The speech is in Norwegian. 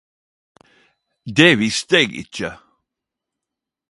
Det visste eg ikkje!